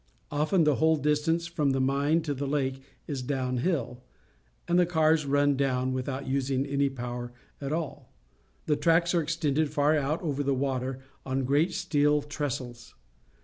Often the whole distance from the mine to the lake is down hill, and the cars run down without using any power at all. The tracks are extended far out over the water on great steel trestles.